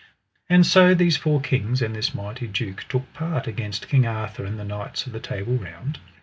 And so these four kings and this mighty duke took part against King Arthur and the knights of the Table Round.